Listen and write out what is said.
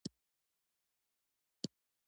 که يې تويې په صحرا کړې ښايسته کاندي صحرا